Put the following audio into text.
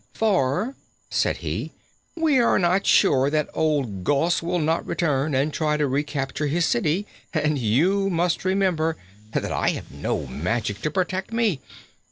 "For," said he, "we are not sure that old Gos will not return and try to recapture his city, and you must remember that I have no magic to protect me.